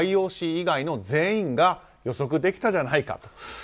ＩＯＣ以外の全員が予測できたじゃないか。